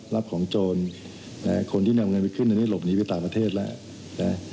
รับของโจรคนที่นำเงินไปขึ้นอันนี้หลบหนีไปต่างประเทศแล้วนะ